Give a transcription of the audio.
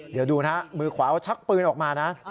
เดี๋ยวดูนะมือขวาชักปืนออกมานะ